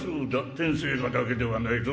天生牙だけではないぞ。